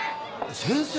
先生？